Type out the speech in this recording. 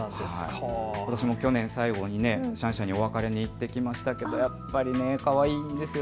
私も去年、最後にシャンシャンにお別れに行ってきましたけどやっぱりかわいいんですよ。